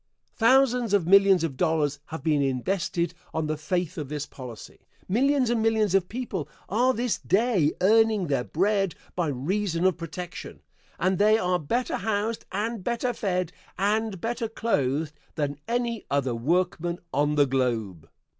Thousands of millions of dollars have been invested on the faith of this policy millions and millions of people are this day earning their bread by reason of protection, and they are better housed and better fed and better clothed than any other workmen on the globe.